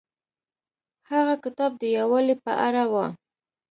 هغه کتاب د یووالي په اړه و.